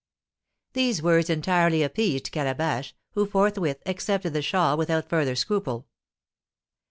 These words entirely appeased Calabash, who forthwith accepted the shawl without further scruple.